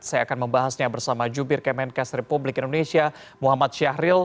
saya akan membahasnya bersama jubir kemenkes republik indonesia muhammad syahril